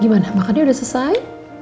gimana makannya udah selesai